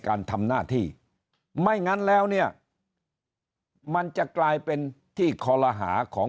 การทำหน้าที่ไม่งั้นแล้วเนี่ยมันจะกลายเป็นที่คอลหาของ